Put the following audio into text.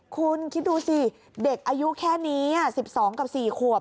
คุณคิดดูสิเด็กอายุแค่นี้๑๒กับ๔ขวบ